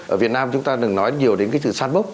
ở việt nam chúng ta đừng nói nhiều đến cái từ sản bốc